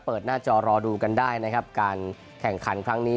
หน้าจอรอดูกันได้นะครับการแข่งขันครั้งนี้